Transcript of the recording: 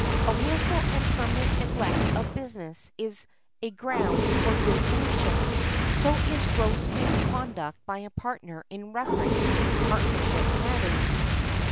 A wilful and permanent neglect of business is a ground for dissolution; so is gross misconduct by a partner in reference to partnership matters.